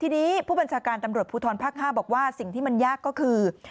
ทีนี้ผู้บัญชาการตำรวจภูทรภาค๕บอกว่าสิ่งที่มันยากก็คือ